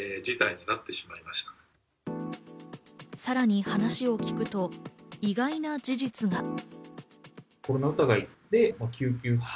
さらに話を聞くと意外な事実が。